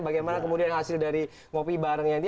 bagaimana kemudian hasil dari ngopi barengnya ini